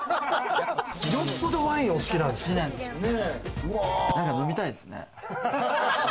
よっぽどワインお好きなんで飲みたいですね。